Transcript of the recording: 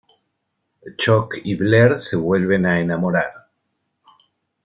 Chuck y Blair se vuelven a enamorar.